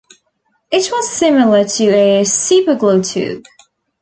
It was similar to a Superglue tube.